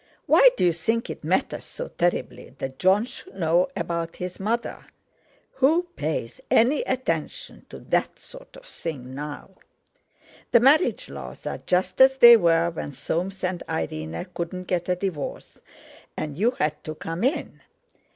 Why do you think it matters so terribly that Jon should know about his mother? Who pays any attention to that sort of thing now? The marriage laws are just as they were when Soames and Irene couldn't get a divorce, and you had to come in.